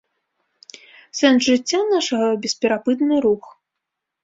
Сэнс жыцця нашага ‒ бесперапынны рух